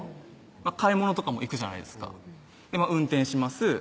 買い物とかも行くじゃないですか運転します